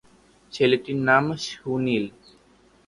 ছেলেটির নাম সুনীল।